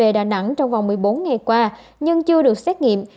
tại đà nẵng trong vòng một mươi bốn ngày qua nhưng chưa được xét nghiệm